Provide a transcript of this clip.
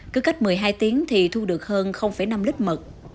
cứ cách một mươi hai tiếng thì thu được hơn năm lít mật